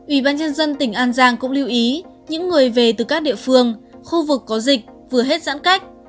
ủy ban nhân dân tỉnh an giang cũng lưu ý những người về từ các địa phương khu vực có dịch vừa hết giãn cách